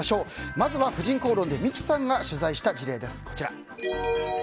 まずは「婦人公論」で三木さんが取材した事例です。